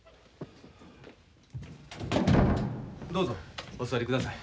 どうぞお座りください。